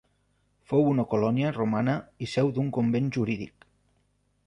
Fou una colònia romana i seu d'un convent jurídic.